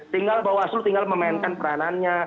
tinggal bahwa asul tinggal memainkan peranannya